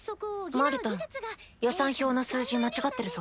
マルタン予算表の数字間違ってるぞ。